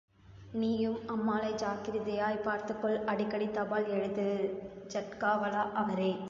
நீயும் அம்மாளை ஜாக்கிரதையாய்ப் பார்த்துக்கொள், அடிக்கடி தபால் எழுது...... ஜட்காவாலா அரே!